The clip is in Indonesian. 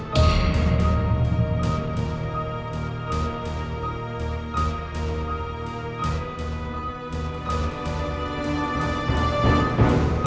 beriberi yang penting